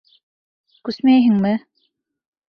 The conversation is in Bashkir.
Күсмәйһеңме?